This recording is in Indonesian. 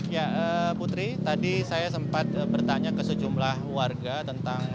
ya putri tadi saya sempat bertanya ke sejumlah warga tentang bagaimana kondisi psikologis warga tanjung balai